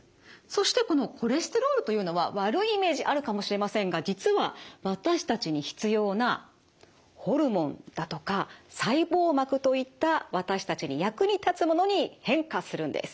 そしてこのコレステロールというのは悪いイメージあるかもしれませんが実は私たちに必要なホルモンだとか細胞膜といった私たちに役に立つものに変化するんです。